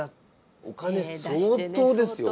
お金相当ですよこれ。